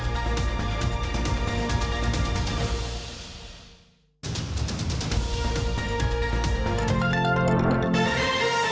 โปรดติดตามตอนต่อไป